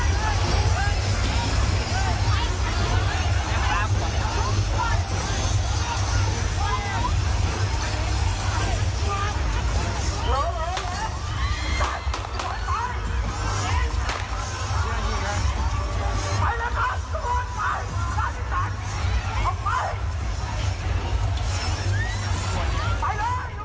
ไปเลยครับสมุทรไปไปเลย